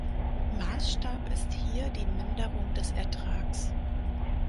Maßstab ist hier die Minderung des Ertrags.